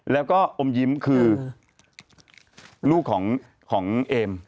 แล้วก็อมยิ้มคือลูกของเอม